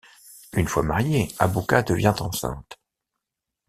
Une fois mariée, Abouka devient enceinte.